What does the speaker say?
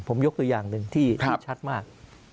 ผมยกตัวอย่างหนึ่งที่ชัดมาก